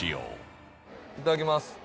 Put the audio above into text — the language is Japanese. いただきます。